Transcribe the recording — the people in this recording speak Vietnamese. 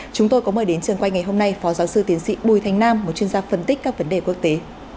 chúng tôi có mời đến trường quay ngày hôm nay phó giáo sư tiến sĩ bùi thanh nam một chuyên gia phân tích các vấn đề quốc tế